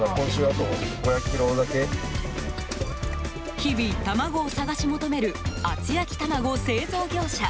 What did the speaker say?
日々、卵を探し求める厚焼き玉子製造業者。